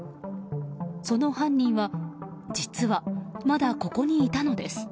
その犯人は実はまだここにいたのです。